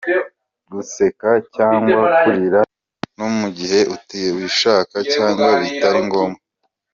Guseka cyangwa kurira no mu gihe utabishaka cyangwa bitari ngombwa.